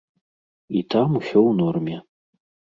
І там усё ў норме.